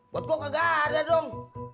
buat gue kagak ada dong